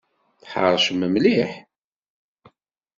Tḥeṛcem mliḥ!